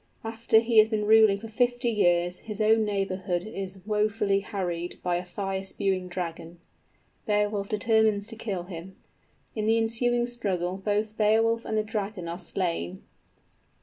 After he has been ruling for fifty years, his own neighborhood is wofully harried by a fire spewing dragon. Beowulf determines to kill him. In the ensuing struggle both Beowulf and the dragon are slain.